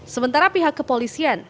sementara pihak kepolisian